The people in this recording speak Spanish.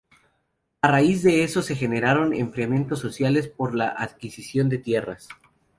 A raíz de esto se generaron enfrentamientos sociales por la adquisición de tierras.